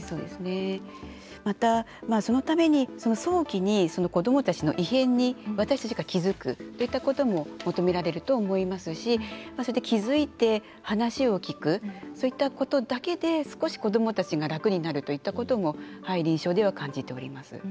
また、そのために早期に子どもたちの異変に私たちが気付くといったことも求められると思いますし気付いて話を聞くそういったことだけで少し子どもたちが楽になるといったことも臨床では感じております。